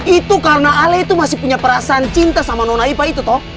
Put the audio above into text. itu karena ale itu masih punya perasaan cinta sama non aipa itu toh